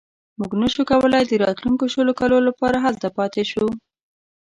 موږ نه شو کولای د راتلونکو شلو کالو لپاره هلته پاتې شو.